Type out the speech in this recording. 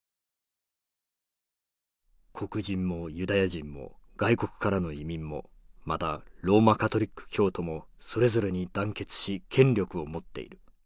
「黒人もユダヤ人も外国からの移民もまたローマカトリック教徒もそれぞれに団結し権力を持っている。